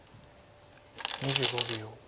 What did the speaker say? ２５秒。